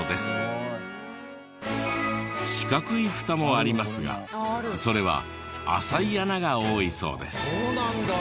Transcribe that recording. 四角いフタもありますがそれは浅い穴が多いそうです。